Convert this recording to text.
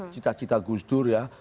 cita cita gus dur ya